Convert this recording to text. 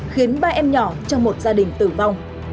khiến ba em nhỏ trong một gia đình tử vong